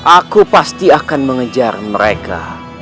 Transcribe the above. aku pasti akan mengejar mereka